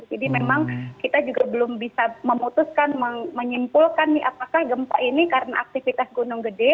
jadi memang kita juga belum bisa memutuskan menyimpulkan apakah gempa ini karena aktivitas gunung gede